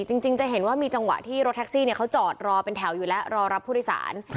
จะเห็นว่ามีจังหวะที่รถแท็กซี่เขาจอดรอเป็นแถวอยู่แล้วรอรับผู้โดยสาร